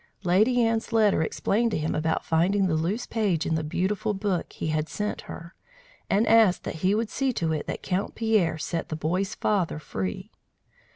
Lady Anne's letter explained to him about finding the loose page in the beautiful book he had sent her, and asked that he would see to it that Count Pierre set the boy's father free.